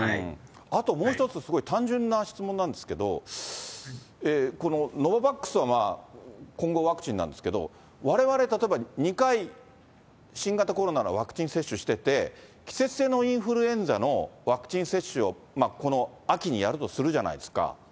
あともう一つ、すごい単純な質問なんですけれども、ノババックスは混合ワクチンなんですけど、われわれ、例えば２回新型コロナのワクチン接種してて、季節性のインフルエンザのワクチン接種をこの秋にやるとするじゃないですか。